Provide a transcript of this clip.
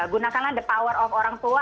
gunakanlah the power of orang tua